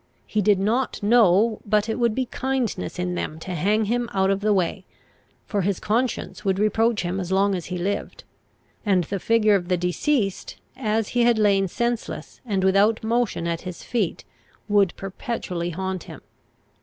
He did not know but it would be kindness in them to hang him out of the way; for his conscience would reproach him as long as he lived, and the figure of the deceased, as he had lain senseless and without motion at his feet, would perpetually haunt him.